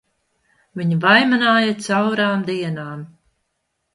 Viņa vaimanāja caurām dienām!